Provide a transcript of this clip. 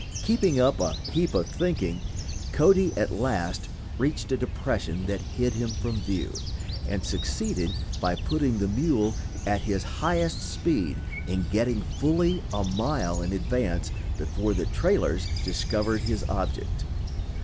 Keeping up "a heap of thinking," Cody at last reached a depression that hid him from view, and succeeded, by putting the mule at his highest speed, in getting fully a mile in advance before the trailers discovered his object.